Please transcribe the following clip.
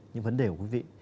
những vấn đề của quý vị